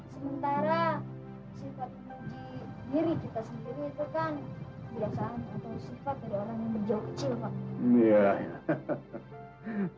sementara sifat menguji diri kita sendiri itu kan kebiasaan atau sifat dari orang yang jauh kecil pak